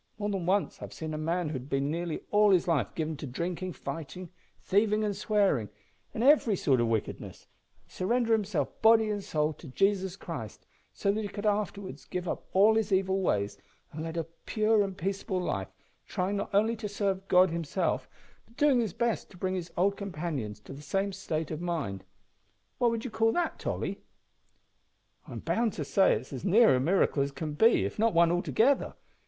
"More than once I have seen a man who had been nearly all his life given to drinking, fighting, thieving, and swearing, and every sort of wickedness, surrender himself body and soul to Jesus Christ, so that he afterwards gave up all his evil ways, and led a pure and peaceable life, trying not only to serve God himself, but doing his best to bring his old companions to the same state of mind. What would you call that, Tolly?" "I'm bound to say it's as near a miracle as can be, if not one altogether.